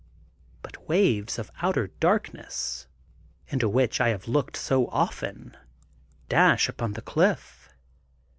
But waves of outer darkness, into which I have looked so often, dash upon the cliff.